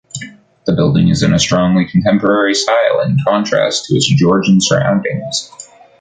The building is in a strongly contemporary style in contrast to its Georgian surroundings.